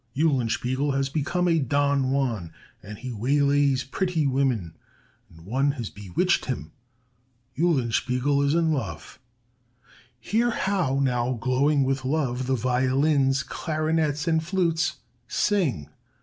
Eulenspiegel has become a Don Juan, and he waylays pretty women. And one has bewitched him: Eulenspiegel is in love! Hear how now, glowing with love, the violins, clarinets, and flutes sing!